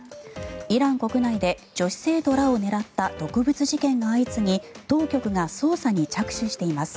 イラン国内で女子生徒らを狙った毒物事件が相次ぎ当局が捜査に着手しています。